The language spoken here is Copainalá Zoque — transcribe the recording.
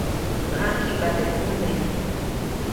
ʼMaŋgiʼmba teʼ ʼmune.